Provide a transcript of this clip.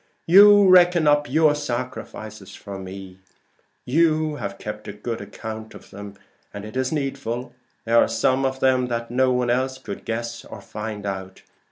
"You reckon up your sacrifices for me: you have kept a good account of them, and it is needful: they are some of them what no one else could guess or find out.